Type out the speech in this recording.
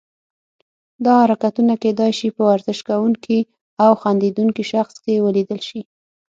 دا حرکتونه کیدای شي په ورزش کوونکي او خندیدونکي شخص کې ولیدل شي.